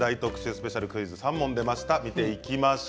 スペシャル３問出ました。